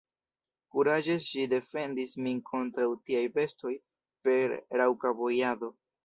Kuraĝe ŝi defendis min kontraŭ tiaj bestoj per raŭka bojado.